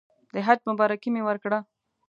د حج مبارکي مې ورکړه.